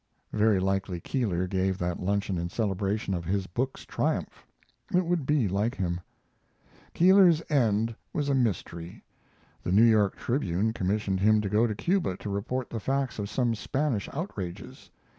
Very likely Keeler gave that luncheon in celebration of his book's triumph; it would be like him. Keeler's end was a mystery. The New York Tribune commissioned him to go to Cuba to report the facts of some Spanish outrages.